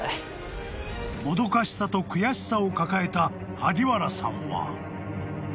［もどかしさと悔しさを抱えた萩原さんは］